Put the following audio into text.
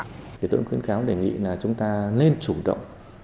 thì tôi cũng khuyến cáo đề nghị là chúng ta nên chủ động